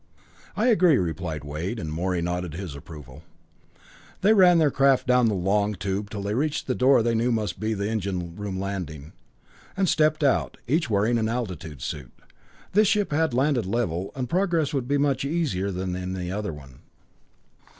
"I agree," replied Wade, and Morey nodded his approval. They ran their craft down the long tube till they reached the door they knew must be the engine room landing, and stepped out, each wearing an altitude suit. This ship had landed level, and progress would be much easier than in the other one.